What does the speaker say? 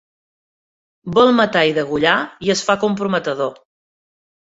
Vol matar i degollar i es fa comprometedor.